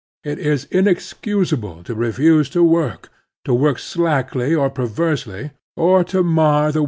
It is inexcusable to refuse to work, to work slacldy or perversely, or to mar the work of others.